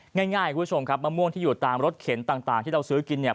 ง่ายคุณผู้ชมครับมะม่วงที่อยู่ตามรถเข็นต่างที่เราซื้อกินเนี่ย